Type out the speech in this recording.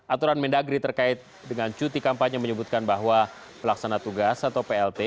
aturan mendagri terkait dengan cuti kampanye menyebutkan bahwa pelaksana tugas atau plt